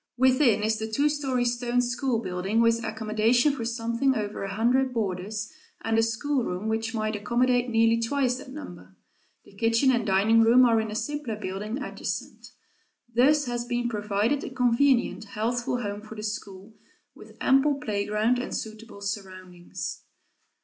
Within is the two story stone school building, with accommodation for something over a hundred boarders, and a schoolroom which might accommodate nearly twice that number. The kitchen and dining room are in a simpler building adjacent. Thus has been provided a convenient, healthful home for the school, with ample playground and suitable surroundings.